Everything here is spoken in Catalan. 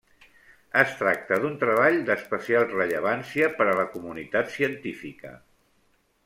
Es tracta d'un treball d'especial rellevància per a la comunitat científica.